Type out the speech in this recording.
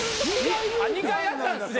２回やったんすね？